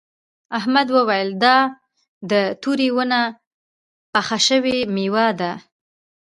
احمد وویل دا د تورې ونې پخه شوې میوه ده.